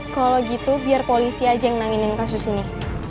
kalau gitu biar polisi aja yang nangin kasus ini